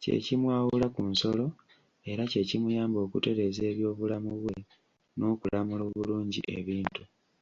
Kye kimwawula ku nsolo, era kye kimuyamba okutereeza eby'obulamu bwe, n'okulamula obulungi ebintu.